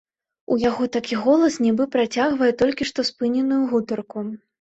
У яго такі голас, нібы працягвае толькі што спыненую гутарку.